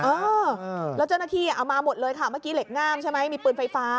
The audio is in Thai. เออแล้วเจ้าหน้าที่เอามาหมดเลยค่ะเมื่อกี้เหล็กง่ามใช่ไหมมีปืนไฟฟ้า